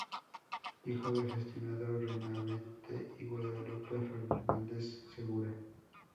Hijo de Gestionado Benavente y Guadalupe Fernández Segura.